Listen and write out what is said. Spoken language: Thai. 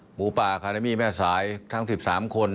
หมูป่าอาคาเดมี่แม่สายทั้ง๑๓คน